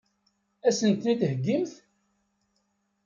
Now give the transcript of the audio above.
Ad sen-ten-id-theggimt?